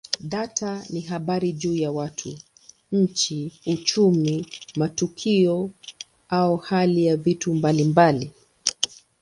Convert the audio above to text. Data ni habari juu ya watu, nchi, uchumi, matukio au hali ya vitu mbalimbali.